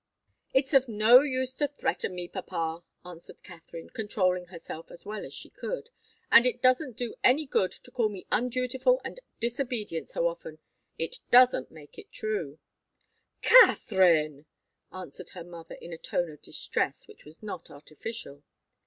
"It's of no use to threaten me, papa," answered Katharine, controlling herself as well as she could. "And it doesn't do any good to call me undutiful and disobedient so often. It doesn't make it true." "Katharine!" cried her mother, in a tone of distress which was not artificial.